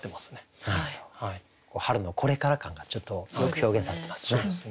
春のこれから感がちょっとよく表現されてますね。